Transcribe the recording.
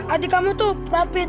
adik kamu tuh pratpit